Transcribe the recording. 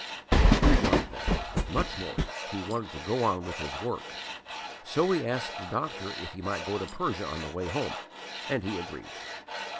He wanted that; but much more he wanted to go on with his work. So he asked the doctor if he might go to Persia on the way home, and he agreed.